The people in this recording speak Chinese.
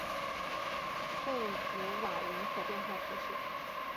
贝卢瓦人口变化图示